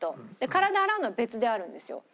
体洗うのは別であるんですよ。